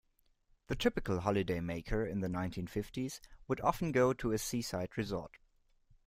The typical holidaymaker in the nineteen-fifties would often go to a seaside resort